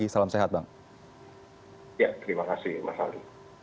ya terima kasih mas ali